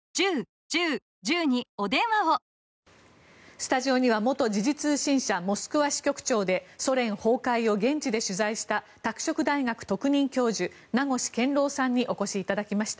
スタジオには元時事通信社モスクワ支局長でソ連崩壊を現地取材した拓殖大学特任教授名越健郎さんにお越しいただきました。